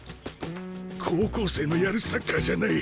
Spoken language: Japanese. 高校生のやるサッカーじゃない。